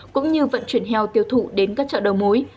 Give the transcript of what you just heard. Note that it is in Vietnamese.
cũng như vận chuyển heo tiêu thụ đến các chợ đầu mối